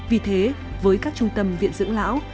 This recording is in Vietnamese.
vì thế với các trung tâm viện dưỡng lão